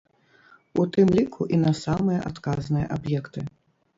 У тым ліку і на самыя адказныя аб'екты.